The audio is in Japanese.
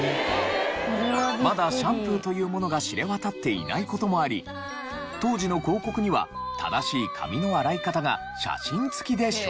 まだシャンプーというものが知れ渡っていない事もあり当時の広告には正しい髪の洗い方が写真付きで紹介。